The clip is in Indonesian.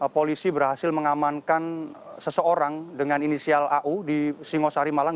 polisi berhasil mengamankan seseorang dengan inisial au di singosari malang